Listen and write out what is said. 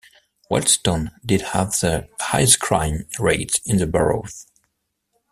Wealdstone did have the highest crime rate in the borough.